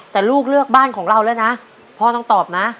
แต่ลูกเลือกบ้านของเราแล้วนะพ่อต้องตอบนะ